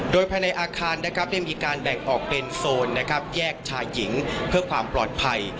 โดยภายในอาคารนะครับได้มีการแบ่งออกเป็นโซนแยกชายหญิงเพื่อความปลอดภัย